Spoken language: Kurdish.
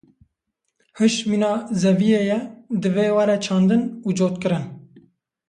Hiş mîna zeviyê ye, divê were çandin û cotkirin.